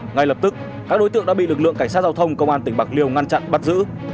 ngay lập tức các đối tượng đã bị lực lượng cảnh sát giao thông công an tỉnh bạc liêu ngăn chặn bắt giữ